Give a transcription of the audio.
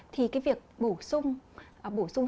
thì cái việc bổ sung